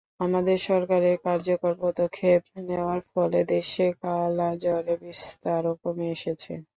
আমাদের সরকারের কার্যকর পদক্ষেপ নেওয়ার ফলে দেশে কালাজ্বরের বিস্তারও কমে এসেছে।